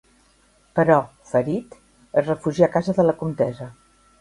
Però, ferit, es refugia a casa de la Comtessa.